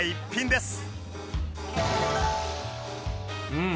うん。